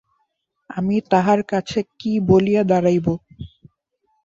আমি তাহার কাছে কী বলিয়া দাঁড়াইব।